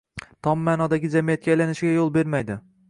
– tom ma’nodagi jamiyatga aylanishiga yo‘l bermaydi